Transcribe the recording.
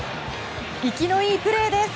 いきのいいプレーです。